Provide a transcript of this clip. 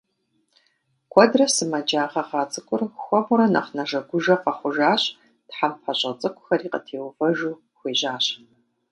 Куэдрэ сымэджа гъэгъа цIыкIур хуэмурэ нэхъ нэжэгужэ къэхъужащ, тхьэмпэщIэ цIыкIухэри къытеувэжу хуежьащ.